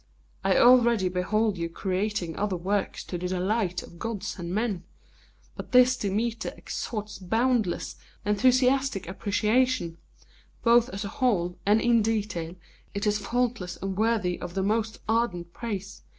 I already behold you creating other works to the delight of gods and men; but this Demeter extorts boundless, enthusiastic appreciation; both as a whole, and in detail, it is faultless and worthy of the most ardent praise.